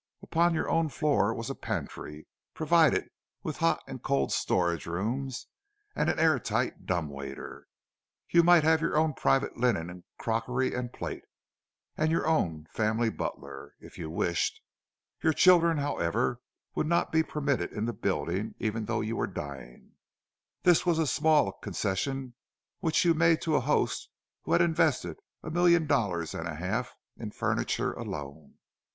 Upon your own floor was a pantry, provided with hot and cold storage rooms and an air tight dumb waiter; you might have your own private linen and crockery and plate, and your own family butler, if you wished. Your children, however, would not be permitted in the building, even though you were dying—this was a small concession which you made to a host who had invested a million dollars and a half in furniture alone.